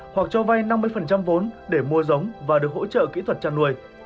hoặc cho vay năm mươi vốn để mua giống và được hỗ trợ kỹ thuật chăn nuôi